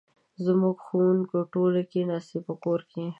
زموږ ښوونکې ټولې کښېناستي په کور کې